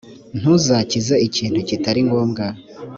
ntuzakize ikintu kitaringombwa.